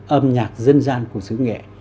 âm nhạc dân gian của sứ nghệ